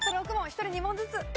１人２問ずつ。